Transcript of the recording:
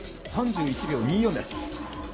３１秒２４です。